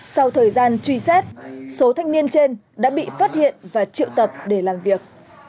sau thời gian truy xét số thanh niên trên đã bị phát hiện và triệu tập để làm việc